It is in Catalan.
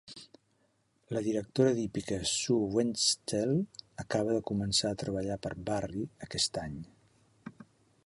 La Directora d'Hípica, Sue Wentzel, acaba de començar a treballar per Barrie aquest any.